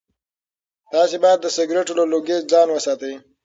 تاسي باید د سګرټو له لوګي ځان وساتئ.